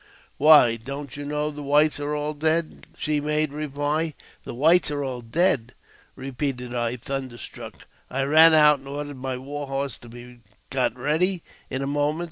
" Why, don't you know the whites are all dead? " she made reply. \" The whites are all dead! " repeated I, thunderstruck. I ran out and ordered my war horse to be got ready in a. moment.